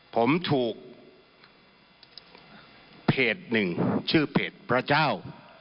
ผมถูกเพจหนึ่งชื่อเพจพระเจ้า